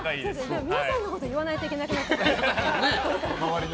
皆さんのこと言わないといけなくなる。